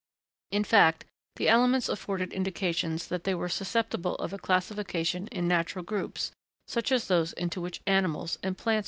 In fact, the elements afforded indications that they were susceptible of a classification in natural groups, such as those into which animals and plants fall.